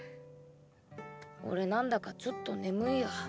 俺なんだかちょっと眠いや。